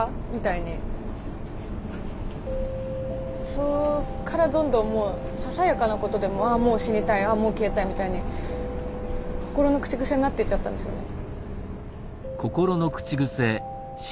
そこからどんどんささやかなことでももう死にたいもう消えたいみたいに心の口癖になっていっちゃったんですよね。